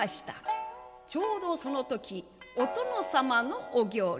ちょうどその時お殿様のお行列。